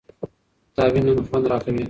تا وينمه خونـد راكوي